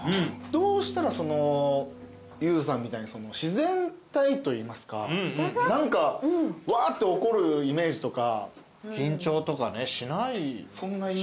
どうしたらそのＹＯＵさんみたいに自然体といいますか何かわって怒るイメージとか。